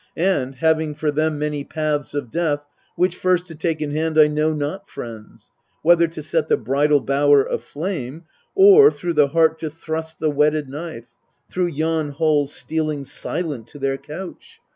And, having for them many paths of death, Which first to take in hand I know not, friends ; Whether to set the bridal bower aflame, Or through the heart to thrust the whetted knife, Through yon halls stealing silent to their couch.